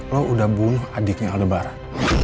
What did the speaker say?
lo udah bunuh adiknya lebaran